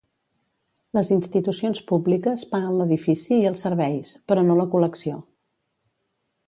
Les institucions públiques paguen l'edifici i els serveis, però no la col·lecció.